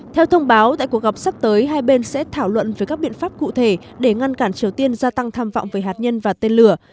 theo thông báo tại cuộc gặp sắp tới hai bên sẽ thảo luận về các biện pháp cụ thể để ngăn cản triều tiên gia tăng tham vọng về hạt nhân và tên lửa